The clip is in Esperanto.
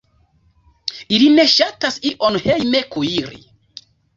Ili ne ŝatas ion hejme kuiri.